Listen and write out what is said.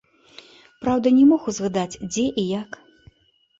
Праўда не мог узгадаць дзе і як.